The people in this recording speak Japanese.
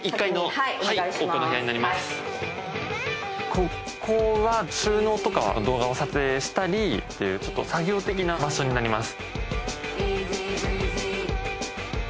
ここは収納とか動画を撮影したりっていう作業的な場所になります。